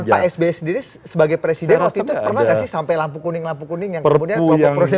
zaman pak sbsd ini sebagai presiden waktu itu pernah gak sih sampai lampu kuning lampu kuning yang kemudian lampu lampu proses demokrasi